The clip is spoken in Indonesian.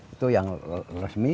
itu yang resmi